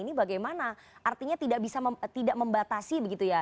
ini bagaimana artinya tidak membatasi begitu ya